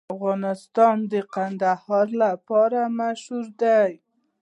افغانستان د کندهار لپاره مشهور دی.